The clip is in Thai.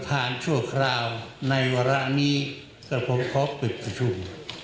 ชั่วคราวในวาระนี้กับผมขอปิดประชุม